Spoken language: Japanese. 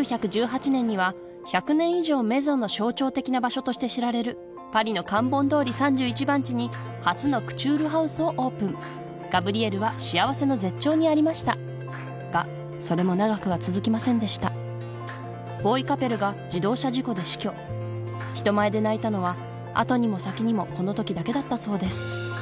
１９１８年には１００年以上メゾンの象徴的な場所として知られるパリのカンボン通り３１番地に初のクチュールハウスをオープンガブリエルは幸せの絶頂にありましたがそれも長くは続きませんでしたボーイ・カペルが自動車事故で死去人前で泣いたのは後にも先にもこの時だけだったそうです